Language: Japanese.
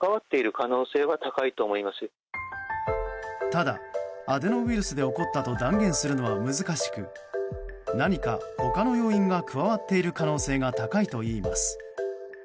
ただ、アデノウイルスで起こったと断言するのは難しく何か他の要因が加わっている可能性が高いといいます。